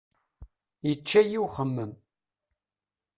Yečča-yi uxemmem.